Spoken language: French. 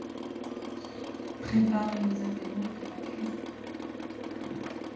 qui prépare les apéros dans la cuisine.